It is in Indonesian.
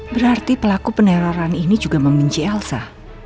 berarti pelaku peneroran ini juga membenci elsa